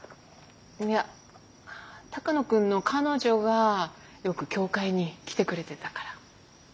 いや鷹野君の彼女がよく教会に来てくれてたから。